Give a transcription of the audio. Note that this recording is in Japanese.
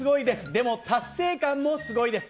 でも達成感もすごいです。